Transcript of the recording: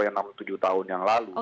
yang enam tujuh tahun yang lalu